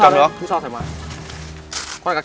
rắn liệu ở đâu không anh